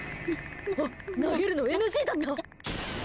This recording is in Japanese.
あ、投げるのＮＧだった？